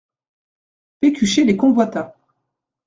Pécuchet les convoita.